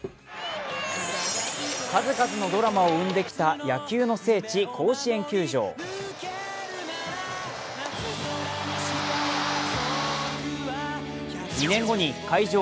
数々のドラマを生んできた野球の聖地・甲子園球場。